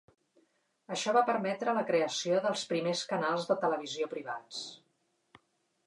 Això va permetre la creació dels primers canals de televisió privats.